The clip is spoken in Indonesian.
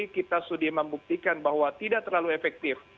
kita sudi membuktikan bahwa tidak terlalu efektif